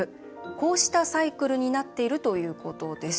こうしたサイクルになっているということです。